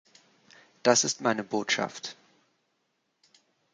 Das ist meine Botschaft.